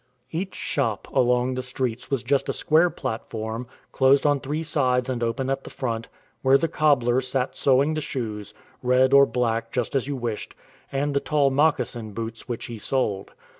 Each shop along the streets was just a square plat form, closed on three sides and open at the front, where the cobbler sat sewing the shoes — red or black, just as you wished — and the tall moccasin boots which he sold.